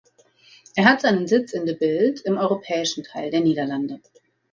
Er hat seinen Sitz in De Bilt im europäischen Teil der Niederlande.